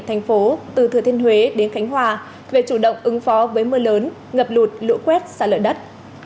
thành phố từ thừa thiên huế đến khánh hòa về chủ động ứng phó với mưa lớn ngập lụt lũ quét xa lở đất